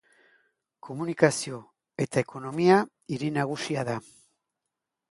Komunikazio- eta ekonomia-hiri nagusia da.